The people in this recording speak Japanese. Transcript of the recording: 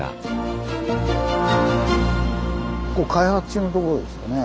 ここ開発中のところですよね？